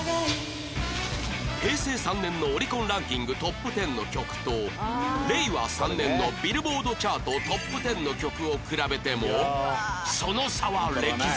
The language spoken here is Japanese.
平成３年のオリコンランキングトップ１０の曲と令和３年のビルボードチャートトップ１０の曲を比べてもその差は歴然